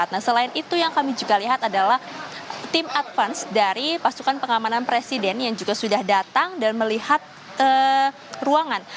nah selain itu yang kami juga lihat adalah tim advance dari pasukan pengamanan presiden yang juga sudah datang dan melihat ruangan